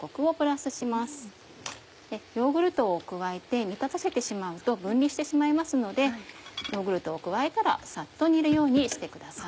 ヨーグルトを加えて煮立たせてしまうと分離してしまいますのでヨーグルトを加えたらさっと煮るようにしてください。